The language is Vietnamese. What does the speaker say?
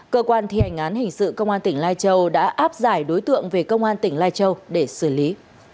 cơ quan thi hành án hình sự công an tỉnh lai châu đã áp giải đối tượng về công an tỉnh lai châu để xử lý